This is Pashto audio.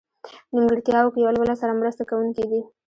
نیمګړتیاوو کې یو له بله سره مرسته کوونکي دي.